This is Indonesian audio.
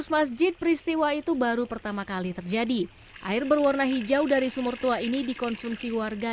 masjid peristiwa itu baru pertama kali terjadi air berwarna hijau dari sumur tua ini dikonsumsi warga